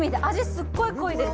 すっごい濃いです。